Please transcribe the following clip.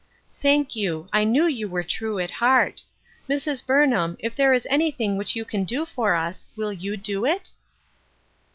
" Thank you. I knew you were true at heart. Mrs. Burnham, if there is anything which you can do for us, will you do it